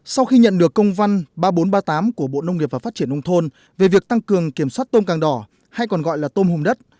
sau khi nhận được công văn ba nghìn bốn trăm ba mươi tám của bộ nông nghiệp và phát triển nông thôn về việc tăng cường kiểm soát tôm càng đỏ hay còn gọi là tôm hùm đất